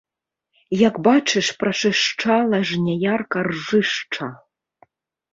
Як бачыш прачышчала жняярка ржышча!